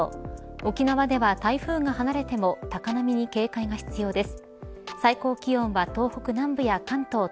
沖縄では台風が離れても高波に警戒が必要です。